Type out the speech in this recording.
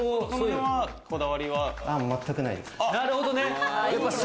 全くないです。